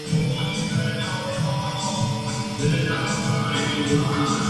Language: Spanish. El campanario cuadrangular, capilla y sacristía rectangulares se encuentran adosadas al muro sur.